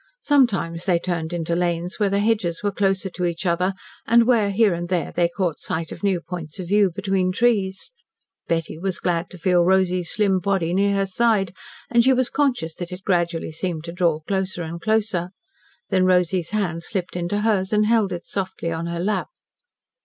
Sometimes he turned into lanes, where the hedges were closer to each other, and where, here and there, they caught sight of new points of view between trees. Betty was glad to feel Rosy's slim body near her side, and she was conscious that it gradually seemed to draw closer and closer. Then Rosy's hand slipped into hers and held it softly on her lap.